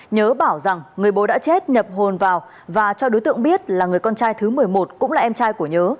nhớ bảo rằng người bố đã chết nhập hồn vào và cho đối tượng biết là người con trai thứ một mươi một cũng là em trai của nhớ